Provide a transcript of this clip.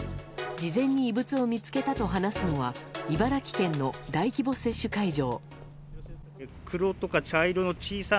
事前に異物を見つけたと話すのは茨城県の大規模接種会場。